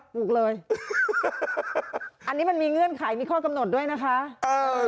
ถูกเลยอันนี้มันมีเงื่อนไขมีข้อกำหนดด้วยนะคะเออ